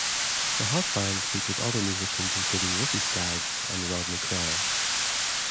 The Hot Band featured other musicians including Ricky Skaggs and Rodney Crowell.